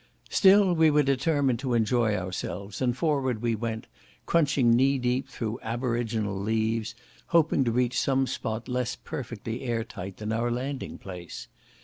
Still we were determined to enjoy ourselves, and forward we went, crunching knee deep through aboriginal leaves, hoping to reach some spot less perfectly airtight than our landing place.